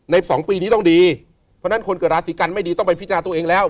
สองปีนี้ต้องดีเพราะฉะนั้นคนเกิดราศีกันไม่ดีต้องไปพิจารณาตัวเองแล้ว